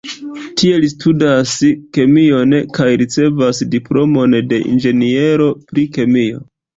Tie li studas kemion kaj ricevas diplomon de inĝeniero pri kemio.